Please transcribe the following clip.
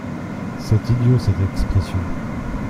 C’est idiot cette expression.